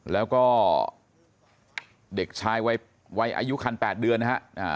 แล้วก็เด็กชายวัยอายุคัน๘เดือนนะฮะ